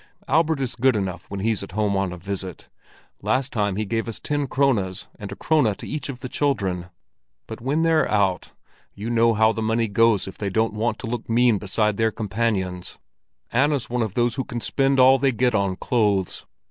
Albert is good enough when he's at home on a visit; last time he gave us ten krones and a krone to each of the children. But when they're out, you know how the money goes if they don't want to look mean beside their companions. Anna's one of those who can spend all they get on clothes.